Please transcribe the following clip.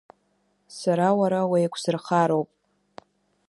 Сара уара уеиқәсырхароуп!